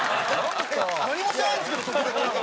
何もしてないんですけど特別な事は。